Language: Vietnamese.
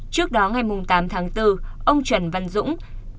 trước đó ngày tám tháng bốn ông trần văn dũng